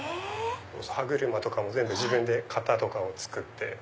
歯車とかも全部自分で型とかを作って。